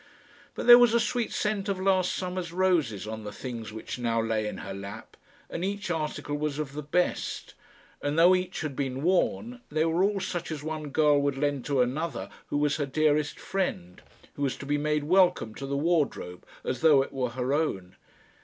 But there was a sweet scent of last summer's roses on the things which now lay in her lap, and each article was of the best; and, though each had been worn, they were all such as one girl would lend to another who was her dearest friend who was to be made welcome to the wardrobe as though it were her own.